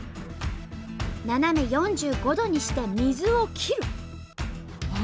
斜め４５度にして水を切る。